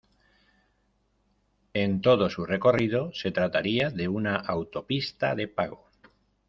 En todo su recorrido se trataría de una autopista de pago.